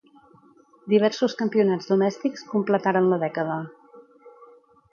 Diversos campionats domèstics completaren la dècada.